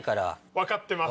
分かってます。